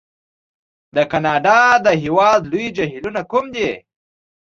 د کانادا د هېواد لوی جهیلونه کوم دي؟